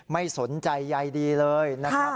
ไม่สนใจใยดีเลยนะครับ